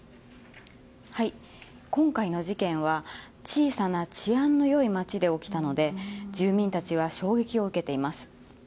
今回の事件は小さな治安の良い街で起きたので住民たちは衝撃を受けています。